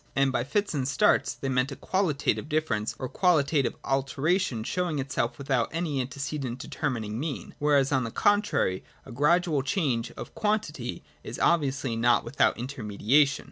And by fits and starts {saltus) they meant a qualitative difference or qualitative alteration showing itself without any antecedent determining mean : whereas, on the contrary, a gradual change (of quantity) is obviously not without intermediation.